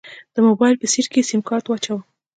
د موبايل په سيټ کې يې سيمکارت واچوه.